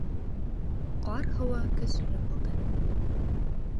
Ҡар һыуы көслө булды